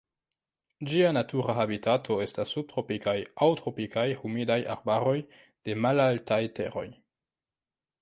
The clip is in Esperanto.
Ĝia natura habitato estas subtropikaj aŭ tropikaj humidaj arbaroj de malaltaj teroj.